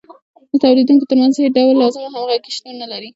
د تولیدونکو ترمنځ هېڅ ډول لازمه همغږي شتون نلري